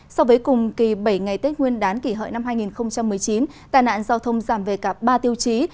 so với cùng kỳ bảy ngày tết nguyên đán kỷ hợi năm hai nghìn một mươi chín tai nạn giao thông giảm về cả ba tiêu chí